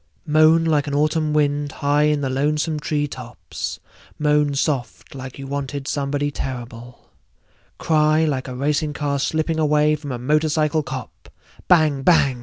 Moan like an autumn wind high in the lonesome tree tops, moan soft like you wanted somebody terrible, cry like a racing car slipping away from a motorcycle cop, bang bang!